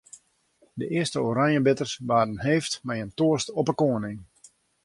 De earste oranjebitters waarden heefd mei in toast op 'e koaning.